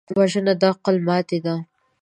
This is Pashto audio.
وژنه د عقل ماتې ده